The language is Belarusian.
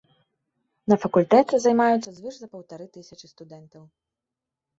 На факультэце займаюцца звыш за паўтары тысячы студэнтаў.